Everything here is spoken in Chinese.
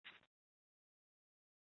该所的校友供职于世界各地的大学。